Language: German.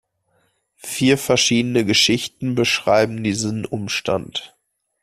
Vier verschiedene Geschichten beschreiben diesen Umstand.